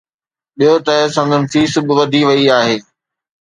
ٻيو ته سندن فيس به وڌي وئي آهي.